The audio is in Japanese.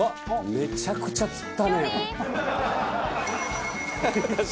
めちゃくちゃ釣ったね」